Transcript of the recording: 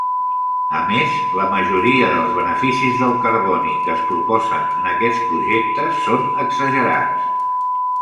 A més, la majoria dels beneficis del carboni que es proposen en aquests projectes són exagerats.